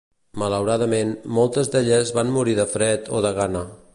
Malauradament, moltes d'elles van morir de fred o de gana.